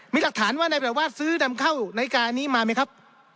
มีหลักฐานว่านายแปลว่าซื้อนำเข้านาฬิกานี้มาไหมครับ